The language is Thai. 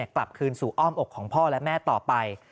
กลับคืนสู่อ้อมอกของพ่อและแม่ต่อไป